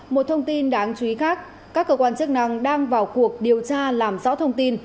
một thông tin đáng chú ý khác các cơ quan chức năng đang vào cuộc điều tra làm rõ thông tin